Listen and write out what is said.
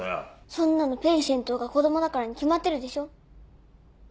そんなのペイシェントが子供だからに決まってるでしょ。